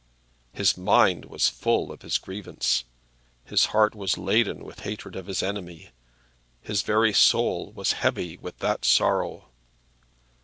His mind was full of his grievance. His heart was laden with hatred of his enemy. His very soul was heavy with that sorrow.